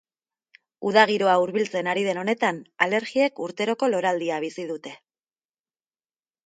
Uda giroa hurbiltzen ari den honetan, alergiek urteroko loraldia bizi dute.